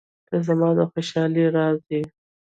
• ته زما د خوشحالۍ راز یې.